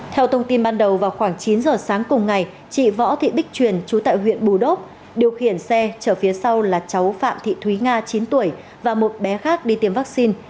theo thông tin ban đầu vào khoảng chín giờ sáng cùng ngày chị võ thị bích truyền chú tại huyện bù đốp điều khiển xe chở phía sau là cháu phạm thị thúy nga chín tuổi và một bé khác đi tiêm vaccine